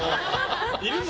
いるの？